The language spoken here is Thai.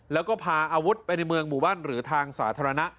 แล้วก็พาอาวุธไปในเมืองหมู่บ้านหรือทางสาธารณะ